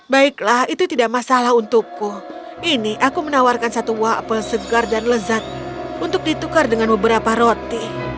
baiklah itu tidak masalah untukku ini aku menawarkan satu wapel segar dan lezat untuk ditukar dengan beberapa roti